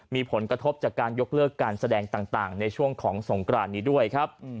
มีผลกระทบจากการยกเลิกการแสดงต่างในช่วงของสงกรานนี้ด้วยครับ